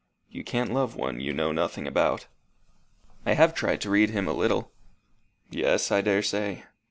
You can't love one you know nothing about." "I have tried to read him a little." "Yes, I daresay.